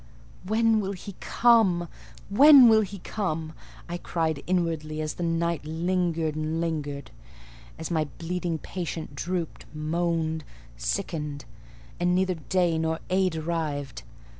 "When will he come? When will he come?" I cried inwardly, as the night lingered and lingered—as my bleeding patient drooped, moaned, sickened: and neither day nor aid arrived.